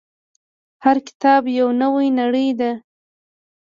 • هر کتاب یو نوی نړۍ ده.